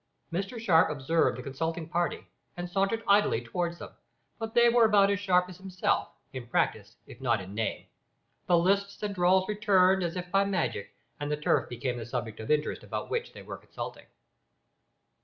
Mr Sharp observed the consulting party, and sauntered idly towards them, but they were about as sharp as himself, in practice if not in name. The lisps and drawls returned as if by magic, and the turf became the subject of interest about which they were consulting.